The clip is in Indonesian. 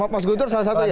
mas guntur salah satunya